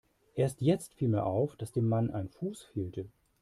Erst jetzt fiel mir auf, dass dem Mann ein Fuß fehlte.